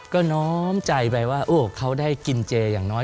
ก็น้อมใจไปว่าเขาได้กินเจอย่างน้อย